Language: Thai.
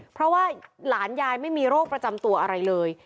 เพราะว่าหลานยายไม่มีโรคประจำตัวอะไรเลย